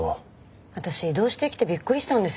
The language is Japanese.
私異動してきてびっくりしたんですよね。